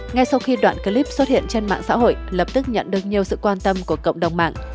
ngay sau khi đoạn clip xuất hiện trên mạng xã hội lập tức nhận được nhiều sự quan tâm của cộng đồng mạng